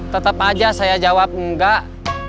tetap aja saya jawab enggak